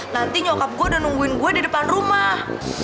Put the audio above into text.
nanti nyokap gue udah nungguin gue di depan rumah